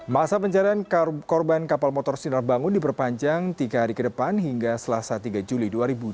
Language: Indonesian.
masa pencarian korban kapal motor sinar bangun diperpanjang tiga hari ke depan hingga selasa tiga juli dua ribu dua puluh